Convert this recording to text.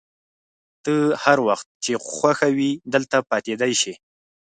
ته هر وخت چي خوښه وي دلته پاتېدای شې.